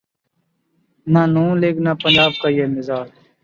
نہ ن لیگ‘ نہ پنجاب کا یہ مزاج ہے۔